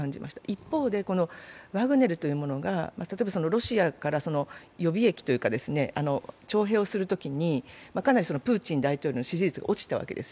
一方で、ワグネルというものが例えばロシアから予備役というか、徴兵をするときにかなりプーチン大統領の支持率が落ちたわけです。